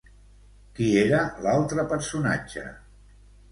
Qui era l'altre personatge?